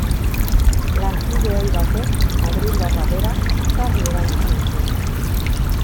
Lankide ohi batek, madrildarra bera, sarri erabiltzen zuen.